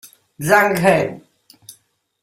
Zhang He